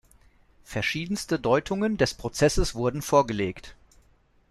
Verschiedenste Deutungen des Prozesses wurden vorgelegt.